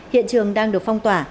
hiện trường đang được phong tỏa